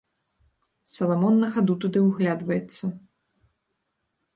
Саламон на хаду туды ўглядваецца.